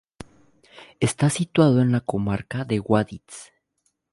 Está situado en la comarca de Guadix.